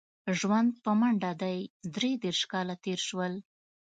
ژوند په منډه دی درې دېرش کاله تېر شول.